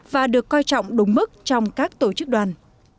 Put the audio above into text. và được coi trọng đúng mức trong các tổ chức đoàn